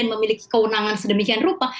dan memiliki keunangan sedemikian rupa